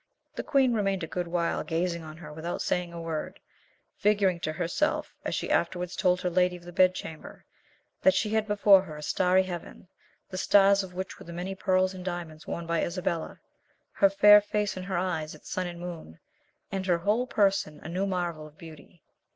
The queen remained a good while gazing on her without saying a word, figuring to herself, as she afterwards told her lady of the bed chamber, that she had before her a starry heaven, the stars of which were the many pearls and diamonds worn by Isabella; her fair face and her eyes its sun and moon, and her whole person a new marvel of beauty.